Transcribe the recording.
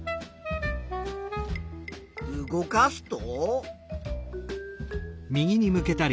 動かすと？